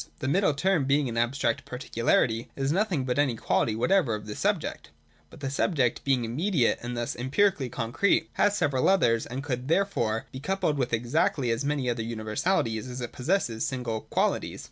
The Middle Term, being an abstract 184.] QUALITATIVE SYLLOGISMS. 319 particularity, is nothing but any quality whatever of the subject : but the subject, being immediate and thus empirically concrete, has several others, and could there fore be coupled with exactly as many other universalities as it possesses single qualities.